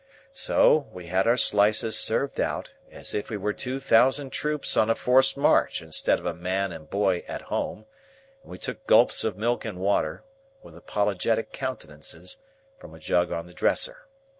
So, we had our slices served out, as if we were two thousand troops on a forced march instead of a man and boy at home; and we took gulps of milk and water, with apologetic countenances, from a jug on the dresser.